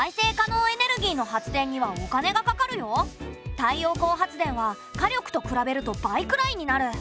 太陽光発電は火力と比べると倍くらいになる。